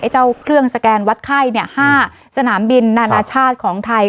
เจ้าเครื่องสแกนวัดไข้๕สนามบินนานาชาติของไทย